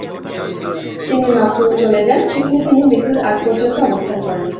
তিনি লখনউ চলে যান, সেখানে তিনি মৃত্যুর আগ-পর্যন্ত অবস্থান করেন।